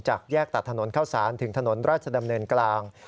จากแยกตัดถนนเข้าสารถึงถนนราชดำเนินกลาง